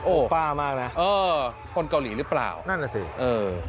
ป้ามากนะเออคนเกาหลีหรือเปล่านั่นน่ะสิเออ